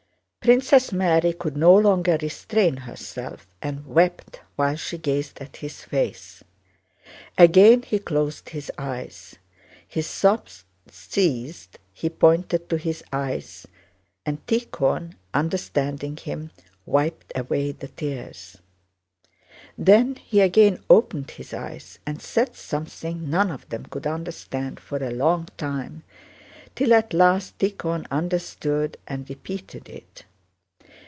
Princess Mary could no longer restrain herself and wept while she gazed at his face. Again he closed his eyes. His sobs ceased, he pointed to his eyes, and Tíkhon, understanding him, wiped away the tears. Then he again opened his eyes and said something none of them could understand for a long time, till at last Tíkhon understood and repeated it.